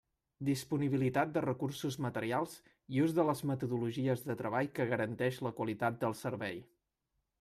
Disponibilitat de recursos materials i ús de les metodologies de treball que garanteix la qualitat del servei.